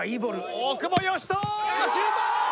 大久保嘉人シュート！